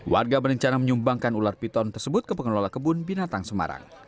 warga berencana menyumbangkan ular piton tersebut ke pengelola kebun binatang semarang